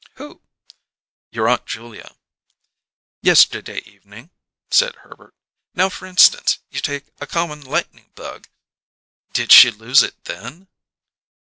"Who?" "Your Aunt Julia." "Yesterday evening," said Herbert. "Now, f'r instance, you take a common lightning bug " "Did she lose it, then?"